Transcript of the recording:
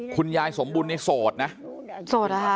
คุณยายสมบุลเนี่ยโสดนะโสดอ่ะฮะ